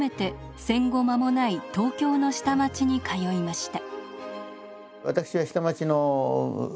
戦後間もない東京の下町に通いました。